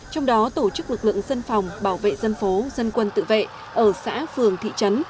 trong đó tổ chức lực lượng dân phòng bảo vệ dân phố dân quân tự vệ ở xã phường thị trấn